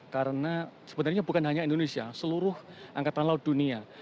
karena sebenarnya bukan hanya indonesia seluruh angkatan laut dunia